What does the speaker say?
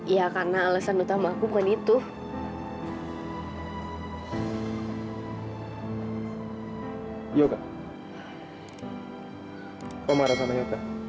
ya karena menurut gue gak penting